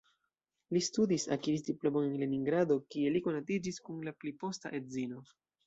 Li studis, akiris diplomon en Leningrado, kie li konatiĝis kun la pli posta edzino.